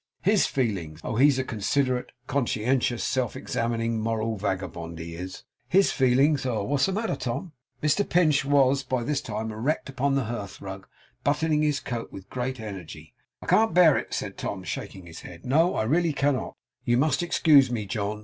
HIS feelings! Oh, he's a considerate, conscientious, self examining, moral vagabond, he is! HIS feelings! Oh! what's the matter, Tom?' Mr Pinch was by this time erect upon the hearth rug, buttoning his coat with great energy. 'I can't bear it,' said Tom, shaking his head. 'No. I really cannot. You must excuse me, John.